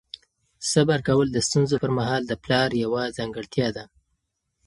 صبر کول د ستونزو پر مهال د پلار یوه ځانګړتیا ده.